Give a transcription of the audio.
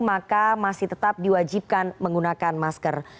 maka masih tetap diwajibkan menggunakan masker